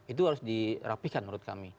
itu harus dirapikan menurut kami